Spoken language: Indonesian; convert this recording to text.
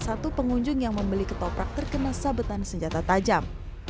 satu pengunjung yang membeli ketoprak terkena sabetan senjata tajam